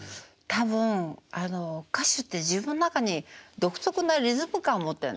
多分あの歌手って自分の中に独特なリズム感持ってるんですよね。